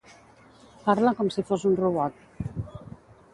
Parla com si fos un robot